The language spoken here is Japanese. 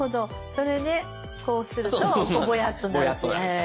それでこうするとボヤッとなる。